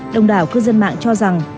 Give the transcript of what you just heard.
đồng đảo cư dân mạng cho rằng